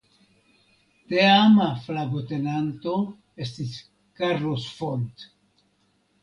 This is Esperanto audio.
Teama flagotenanto estis "Carlos Font".